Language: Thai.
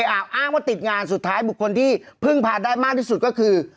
อ้างว่าติดงานสุดท้ายบุคคลที่เพิ่งพาได้มากที่สุดก็คือ